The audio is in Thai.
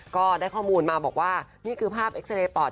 ก็ได้ข้อมูลมาบอกว่านี่คือภาพเอ็กซาเรย์ปอด